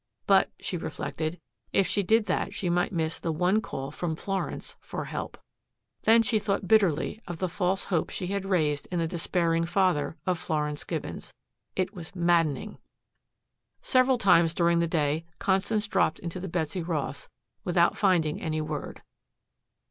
But, she reflected, if she did that she might miss the one call from Florence for help. Then she thought bitterly of the false hopes she had raised in the despairing father of Florence Gibbons. It was maddening. Several times during the day Constance dropped into the Betsy Ross, without finding any word.